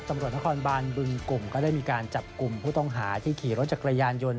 ตำรวจนครบานบึงกลุ่มก็ได้มีการจับกลุ่มผู้ต้องหาที่ขี่รถจักรยานยนต์